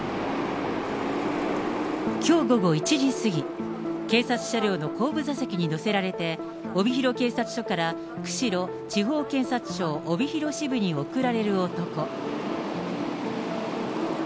きょう午後１時過ぎ、警察車両の後部座席に乗せられて、帯広警察署から釧路地方検察庁帯広支部に送られる男。